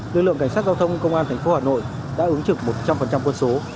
lực lượng cảnh sát giao thông công an tp hà nội đã ứng trực một trăm linh quân số